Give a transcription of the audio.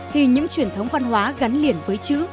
thì những truyền thống văn hóa gắn liền với chữ